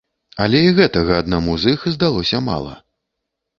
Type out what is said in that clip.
Але і гэтага аднаму з іх здалося мала.